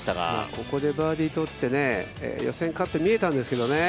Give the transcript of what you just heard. ここでバーディー取って予選カット見えたんですけどね。